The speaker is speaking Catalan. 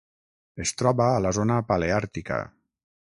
Es troba a la zona paleàrtica.